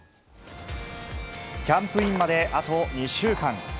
キャンプインまであと２週間。